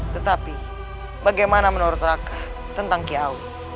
tetapi bagaimana menurut raka tentang kiawing